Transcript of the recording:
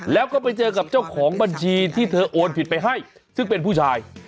แล้วก็ไปเจอกับเจ้าของบัญชีที่เธอโอนผิดไปให้ซึ่งเป็นผู้ชาย